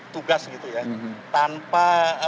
tugas gitu ya tanpa